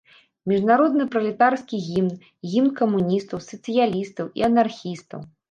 Міжнародны пралетарскі гімн, гімн камуністаў, сацыялістаў і анархістаў.